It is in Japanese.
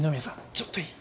ちょっといい？